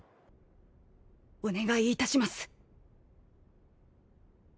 お願いいたします。